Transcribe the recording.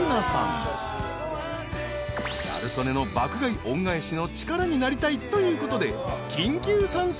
［ギャル曽根の爆買い恩返しの力になりたいということで緊急参戦］